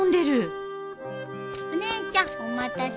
お姉ちゃんお待たせ。